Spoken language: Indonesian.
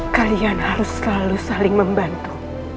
kalian harus selalu saling membantu